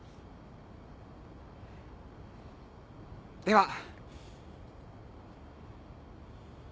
では。